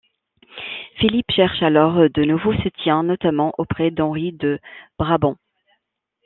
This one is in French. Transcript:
Philippe cherche alors de nouveaux soutiens, notamment auprès d'Henri de Brabant.